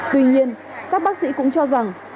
tuy nhiên các bác sĩ cũng cho rằng